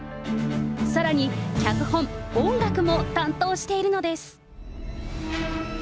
さらに脚本、音楽も担当しているのです。